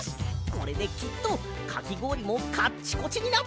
これできっとかきごおりもカッチコチになっているぞ。